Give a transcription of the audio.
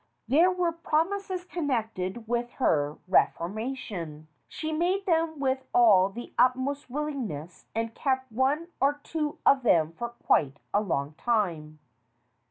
They were promises connected with her reformation. SOME IMITATIONS 225 She made them all with the utmost willingness and kept one or two of them for quite a long time.